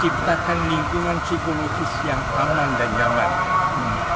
ciptakan lingkungan psikologis yang aman dan nyaman